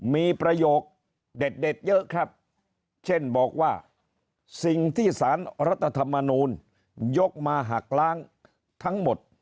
มีประโยคเด็ดเยอะครับเช่นบอกว่าสิ่งที่สารรัฐธรรมนูลยกมาหักล้างทั้งหมด